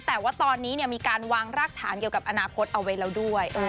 แต่ว่าตอนนี้มีการวางรากฐานเกี่ยวกับอนาคตเอาไว้แล้วด้วย